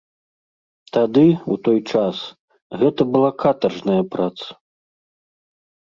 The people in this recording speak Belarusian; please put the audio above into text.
Тады, у той час, гэта была катаржная праца.